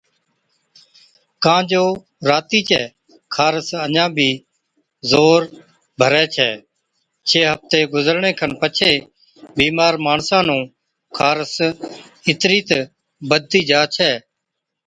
ڪان جو راتِي چَي خارس اڃا بِي زور ڀرَي ڇَي۔ ڇه هفتي گُذرڻي کن پڇي بِيمار ماڻسا نُون خارس اِترِي تہ بڌتِي جا ڇَي